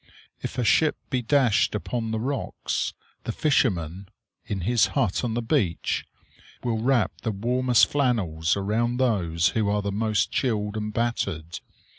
If a ship be dashed upon the rocks, the fisherman, in his hut on the beach, will wrap the warmest flannels around those who are the most chilled and battered.